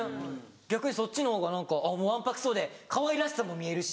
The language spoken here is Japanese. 逆にそっちのほうがわんぱくそうでかわいらしさも見えるし。